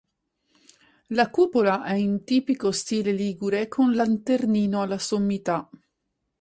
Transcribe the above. La cupola è in tipico stile ligure con "lanternino" alla sommità.